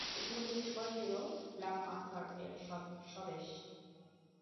এটি হলো superhero black প্যান্থার-এর স্বদেশ।